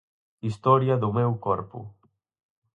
Historia do meu corpo.